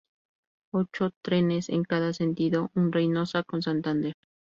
Ocho trenes en cada sentido unne Reinosa con Santander.